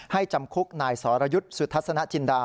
จำคุกนายสรยุทธ์สุทัศนจินดา